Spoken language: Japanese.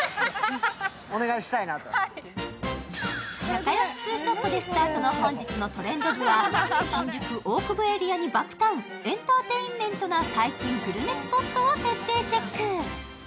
仲良しツーショットでスタートの本日の「トレンド部」は新宿・大久保エリアに爆誕、エンターテインメントな最新グルメスポットを徹底チェック。